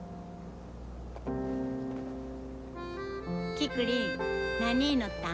キクリン何祈ったん？